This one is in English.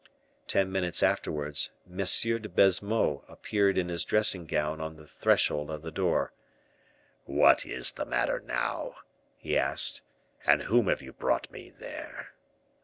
Ten minutes afterwards, M. de Baisemeaux appeared in his dressing gown on the threshold of the door. "What is the matter now?" he asked; "and whom have you brought me there?"